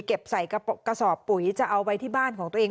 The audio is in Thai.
ใส่กระสอบปุ๋ยจะเอาไว้ที่บ้านของตัวเอง